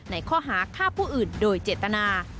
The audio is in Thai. ในข้อหาฆ่าผู้อื่นโดยเจตนา